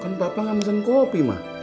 kan bapak gak mesen kopi ma